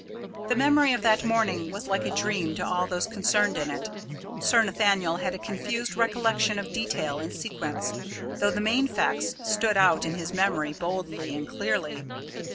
The memory of that morning was like a dream to all those concerned in it. Sir Nathaniel had a confused recollection of detail and sequence, though the main facts stood out in his memory boldly and clearly.